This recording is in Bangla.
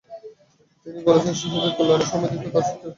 তিনি বলেছেন, শিশুদের কল্যাণে সময় দিতে তাঁর সবচেয়ে বেশি ভালো লাগে।